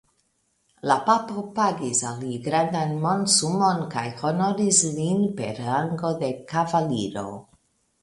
La papo pagis al li grandan monsumon kaj honoris lin per rango de kavaliro.